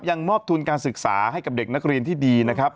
มอบทุนการศึกษาให้กับเด็กนักเรียนที่ดีนะครับ